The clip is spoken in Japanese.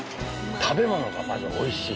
食べ物がまずおいしい。